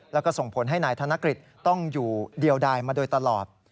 แล้วก็ส่งผลให้นายธนกฤษต้องอยู่เดียวดายมาโดยตลอด